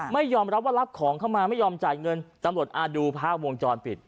ไม่ยอมรับว่ารับของเข้ามาไม่ยอมจ่ายเงินตำรวจอ่าดูภาพวงจรปิด